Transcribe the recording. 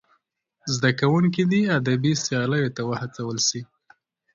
زدهکوونکي دې ادبي سیالیو ته وهڅول سي.